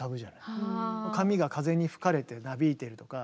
髪が風に吹かれてなびいてるとか。